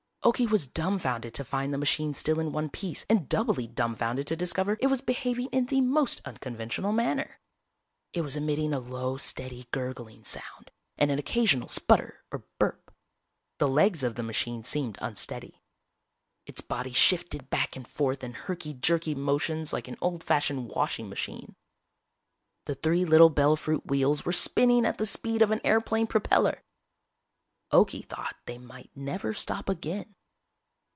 Okie was dumbfounded to find the machine still in one piece and doubly dumbfounded to discover it was behaving in a most unconventional manner. It was emitting a low steady gurgling sound and an occasional sputter or burp. The legs of the machine seemed unsteady. Its body shifted back and forth in herky jerky motions like an old fashioned washing machine. The three little Bell Fruit wheels were spinning at the speed of an airplane propellor. Okie thought they might never stop again.